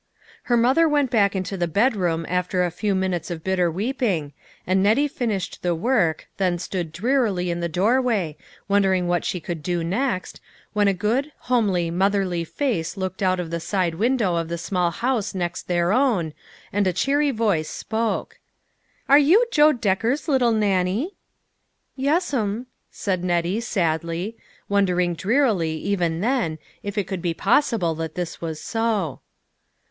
Her mother went back into the bedroom after a few minutes of bitter weeping, and Nettie fin ished the work, then stood drearily in the door way, wondering what she could do next, when a good, homely, motherly face looked out of the side window of the small house next their own, and a cheery voice spoke : "Are you Joe Decker's little Nannie?" "Yes'm," said Nettie, sadly, wondering drear ily, even then, if it could be possible that this was so.